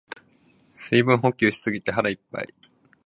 水分補給しすぎて腹いっぱい